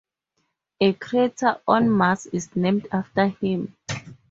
A crater on Mars is named after him.